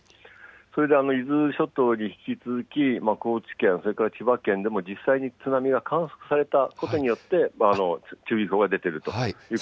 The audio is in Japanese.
それで伊豆諸島に引き続き、高知県、それから千葉県でも実際に津波が観測されたことによって、注意報が出ているということで。